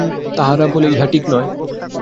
তাহারা বলে, ইহা ঠিক নয়।